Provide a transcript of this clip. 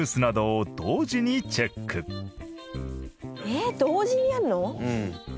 えっ同時にやるの？